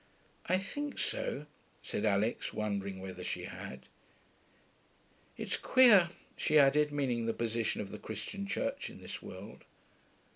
'I think so,' said Alix, wondering whether she had. 'It's queer,' she added, meaning the position of the Christian church in this world.